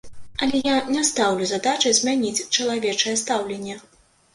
Але я не стаўлю задачы змяніць чалавечае стаўленне.